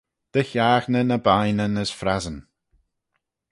Dy haghney ny bineyn as frassyn.